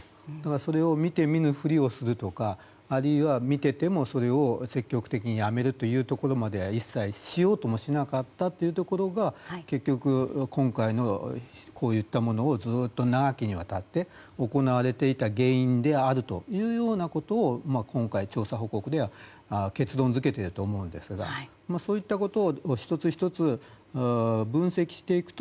それを見て見ぬふりをするとかあるいは、見ていてもそれを積極的にやめるというところまでは一切、しようともしなかったというところが結局、今回のこういったものをずっと長きにわたって行われていた原因であるというようなことを今回の調査報告では結論付けていると思いますがそういったことを１つ１つ分析していくと